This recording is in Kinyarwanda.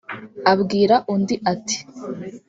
abwira undi ati